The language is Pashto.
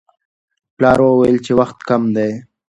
پلار وویل چې وخت کم دی.